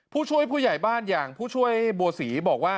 ผู้ช่วยผู้ใหญ่บ้านอย่างผู้ช่วยบัวศรีบอกว่า